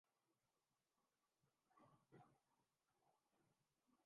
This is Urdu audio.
زیادہ سے زیادہ شیئر کریں تاکہ لوگوں میں شعور آجائے